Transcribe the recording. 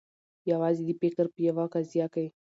یوازي د فکر په یوه قضیه کي